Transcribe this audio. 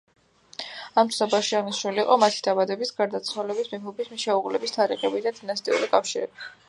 ამ ცნობარებში აღნიშნული იყო მათი დაბადების, გარდაცვალების, მეფობის, შეუღლების თარიღები და დინასტიური კავშირები.